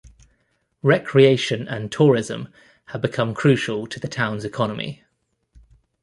Recreation and tourism have become crucial to the town's economy.